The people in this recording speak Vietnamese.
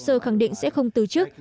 và joycer khẳng định sẽ không từ chức